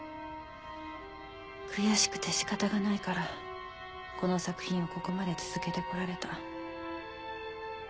悔しくて仕方がないからこの作品をここまで続けてこられた。